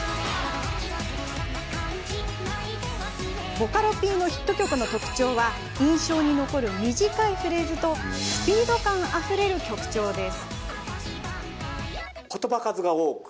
ボカロＰのヒット曲の特徴は印象に残る短いフレーズとスピード感あふれる曲調です。